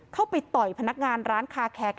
เข้าไปต่อยพนักงานร้านคาแคก